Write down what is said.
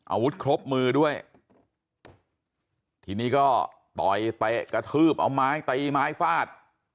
อาวุธครบมือด้วยทีนี้ก็ต่อยเตะกระทืบเอาไม้ตีไม้ฟาด